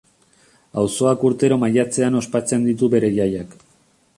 Auzoak urtero maiatzean ospatzen ditu bera jaiak.